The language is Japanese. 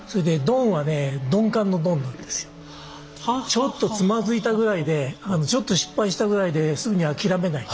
ちょっとつまずいたぐらいでちょっと失敗したぐらいですぐに諦めない。